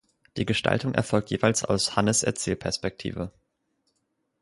Die Gestaltung erfolgt jeweils aus Hannes‘ Erzählperspektive.